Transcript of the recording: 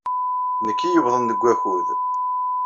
D nekk ay yuwḍen deg wakud.